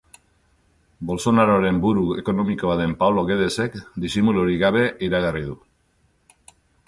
Bolsonaroren buru ekonomikoa den Paolo Guedesek disimulurik gabe iragarri du.